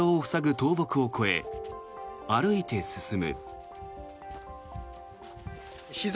倒木を越え歩いて進む。